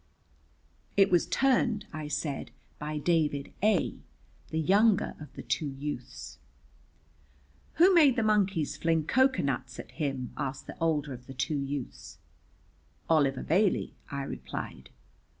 "It was turned," I said, "by David A , the younger of the two youths." "Who made the monkeys fling cocoa nuts at him?" asked the older of the two youths. "Oliver Bailey," I replied.